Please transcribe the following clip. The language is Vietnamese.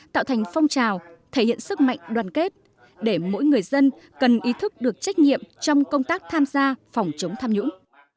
tạo thành phong trào thể hiện sức mạnh đoàn kết để mỗi người dân cần ý thức được trách nhiệm trong công tác tham gia phòng chống tham nhũng